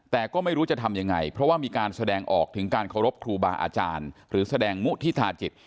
แต่ก็ไม่รู้จะทำยังไงเพราะว่ามีการแสดงออกถึงการเคารพครูบาอาจารย์หรือแสดงมุฒิธาจิต